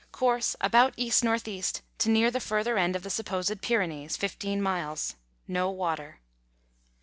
Course, about E.N.E. to near the further end of the supposed Pyrenees, 15 miles. No water.